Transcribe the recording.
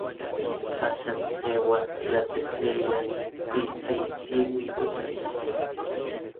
Axan seua, tlaseseya, tisisikuej.